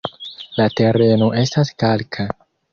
La tereno estas kalka.